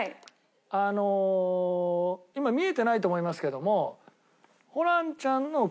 あの今見えてないと思いますけども。